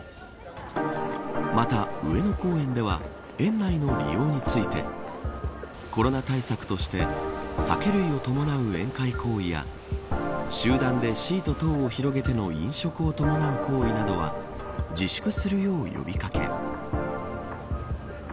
また上野公園では園内の利用についてコロナ対策として酒類を伴う宴会行為や集団でシート等を広げての飲食を伴う行為などは自粛するよう呼び掛け。